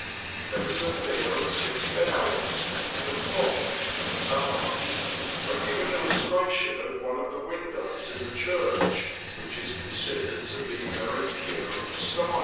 There is a peal of six bells, and a clock, in the tower. I give an illustration of one of the windows in the church, which is considered to be very pure in style.